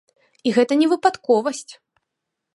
І гэта не выпадковасць.